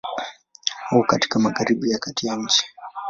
Uko katika Magharibi ya kati ya nchi.